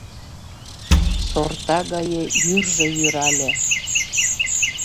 Сорта гае йӱржӧ йӱрале.